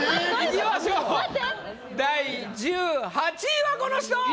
第１８位はこの人！